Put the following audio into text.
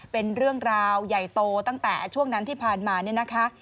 เป็นเรื่องราวใหญ่โตตั้งแต่ช่วงนั้นที่ผ่านมาเนี่ยนะคะ